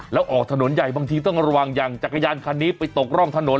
แล้วออกถนนใหญ่บางทีต้องระวังอย่างจักรยานคันนี้ไปตกร่องถนน